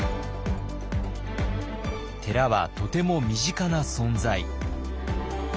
寺はとても身近な存在。